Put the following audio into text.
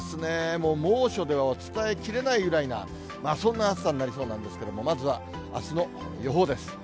もう猛暑ではお伝えきれないぐらいな、そんな暑さになりそうなんですけれども、まずはあすの予報です。